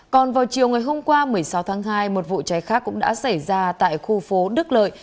còn vào chiều ngày hôm qua một mươi sáu tháng hai một vụ cháy khác cũng đã xảy ra tại khu phố đức lợi